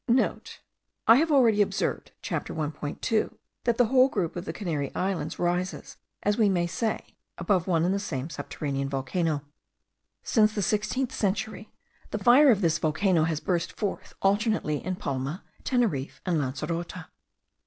(I have already observed (Chapter 1.2) that the whole group of the Canary Islands rises, as we may say, above one and the same submarine volcano. Since the sixteenth century, the fire of this volcano has burst forth alternately in Palma, Teneriffe, and Lancerote.